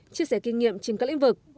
chia sẻ kinh nghiệm trên các lĩnh vực